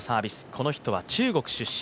この人は中国出身。